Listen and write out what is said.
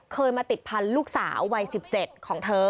เคยมาติดพันธุ์ลูกสาววัย๑๗ของเธอ